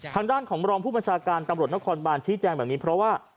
ทางด้านของรองผู้บัญชาการตำรวจนครบานชี้แจงแบบนี้เพราะว่า